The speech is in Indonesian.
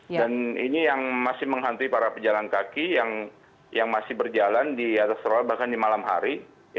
dan ini yang masih menghantui para pejalan kaki yang masih berjalan di atas rotowar bahkan di malam hari